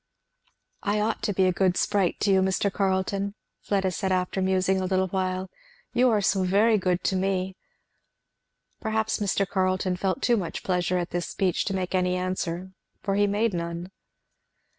"I ought to be a good sprite to you, Mr. Carleton," Fleda said after musing a little while, "you are so very good to me!" Perhaps Mr. Carleton felt too much pleasure at this speech to make any answer, for he made none.